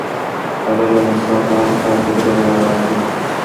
عدل او انصاف په هر کار کې د بریا راز دی.